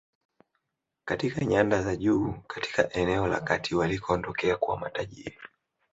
Katika nyanda za juu katika eneo la kati walikoondokea kuwa matajiri